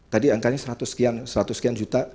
tadi angkanya seratus sekian seratus sekian juta